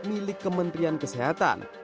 milik kementerian kesehatan